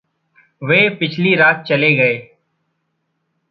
वे पिछली रात चले गये।